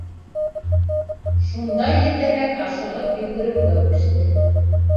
Шунда етәрәк ашығып йүгереүгә күсте.